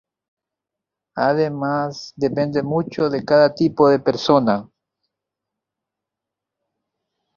Además, depende mucho de cada tipo de persona.